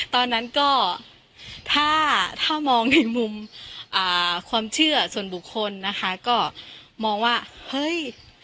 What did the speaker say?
ตอนนั้นก็ถ้าถ้ามองในมุมความเชื่อส่วนบุคคลนะคะก็มองว่าเฮ้ย